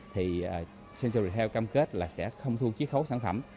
thì central retail cam kết là sẽ không thu chí khấu sản phẩm